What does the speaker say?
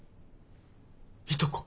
いとこ。